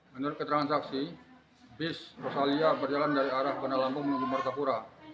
menurut keterangkasi bis rosalia berjalan dari arah bandar lampung menuju martapura